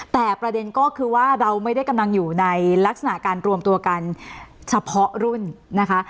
แต่ประเด็นก็คือว่าเราไม่ได้กำลังอยู่ในลักษณะการรวมตัวกันเฉพาะรุ่นนะคะ